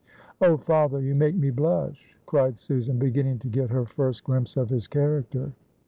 "Oh, father, you make me blush," cried Susan, beginning to get her first glimpse of his character.